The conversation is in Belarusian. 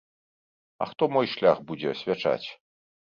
А хто мой шлях будзе асвячаць?